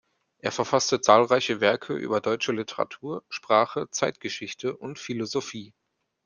Er verfasste zahlreiche Werke über deutsche Literatur, Sprache, Zeitgeschichte und Philosophie.